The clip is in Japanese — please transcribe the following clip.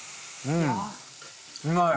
うん。